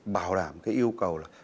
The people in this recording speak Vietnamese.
bảo đảm các yêu cầu